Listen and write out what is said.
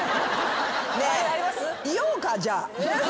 ねえ言おうかじゃあ。